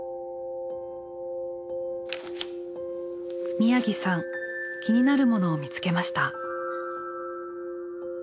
宮城さん気になるものを見つけました。